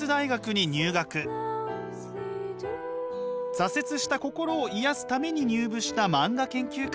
挫折した心を癒やすために入部した漫画研究会。